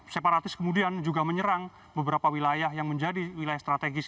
separatis kemudian juga menyerang beberapa wilayah yang menjadi wilayah strategis